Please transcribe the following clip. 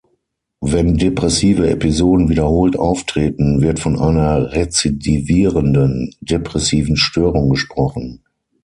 Wenn depressive Episoden wiederholt auftreten, wird von einer rezidivierenden depressiven Störung gesprochen.